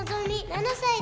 ７歳。